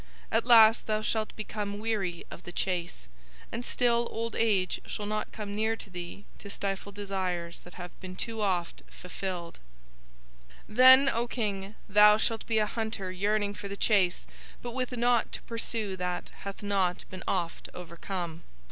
At last thou shalt become weary of the chase, and still old age shall not come near to thee to stifle desires that have been too oft fulfilled; then, O King, thou shalt be a hunter yearning for the chase but with nought to pursue that hath not been oft overcome.